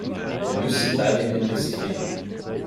Wir müssen darin investieren.